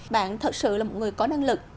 bạn thật sự là một người có năng lực